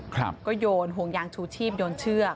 ก็โยนห่วงยางชูชีพโยนเชือก